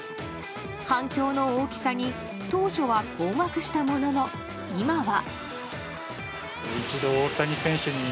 反響の大きさに当初は困惑したものの、今は。